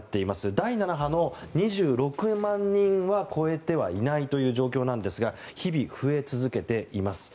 第７波の２６万人は超えてはいない状況ですが日々、増え続けています。